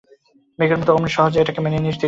মেঘের মতোই অমনি সহজে এটাকে মেনে নিস দিদি।